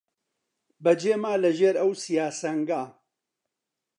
بەجێ ما لە ژێر ئەو سیا سەنگا